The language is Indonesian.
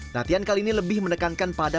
latihan kali ini lebih menekankan pada